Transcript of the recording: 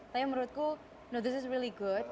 tapi menurutku ini benar benar bagus